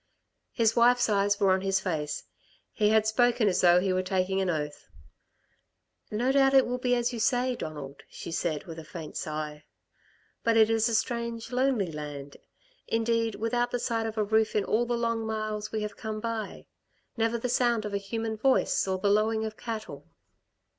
His wife's eyes were on his face. He had spoken as though he were taking an oath. "No doubt it will be as you say, Donald," she said, with a faint sigh. "But it is a strange lonely land, indeed, without the sight of a roof in all the long miles we have come by. Never the sound of a human voice, or the lowing of cattle."